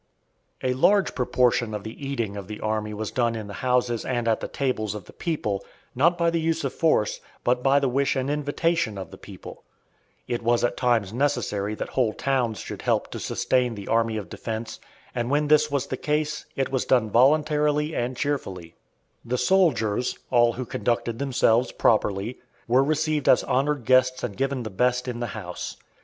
A large proportion of the eating of the army was done in the houses and at the tables of the people, not by the use of force, but by the wish and invitation of the people. It was at times necessary that whole towns should help to sustain the army of defense, and when this was the case, it was done voluntarily and cheerfully. The soldiers all who conducted themselves properly were received as honored guests and given the best in the house.